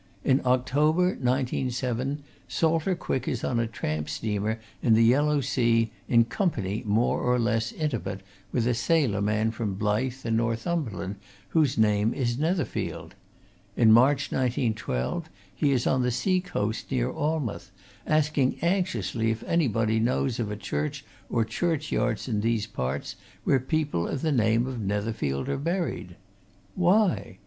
In October, 1907, Salter Quick is on a tramp steamer in the Yellow Sea in company, more or less intimate, with a sailor man from Blyth, in Northumberland, whose name is Netherfield: in March, 1912, he is on the sea coast near Alnmouth, asking anxiously if anybody knows of a churchyard or churchyards in these parts where people of the name of Netherfield are buried? Why?